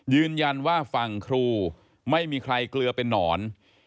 ยืนยันว่าฝั่งครูไม่มีใครเกลือเป็นนอน